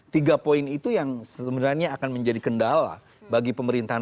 tiga poin itu yang sebenarnya akan menjadi kendala bagi pemerintahan